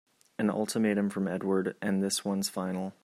An ultimatum from Edward and this one's final!